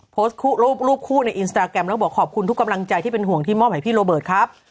โพสต์รูปคู่ในอินสตาแกรมแล้วบอกขอบคุณทุกกำลังใจที่เป็นห่วงที่มอบให้พี่โรเบิร์ตครับ